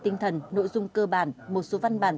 tinh thần nội dung cơ bản một số văn bản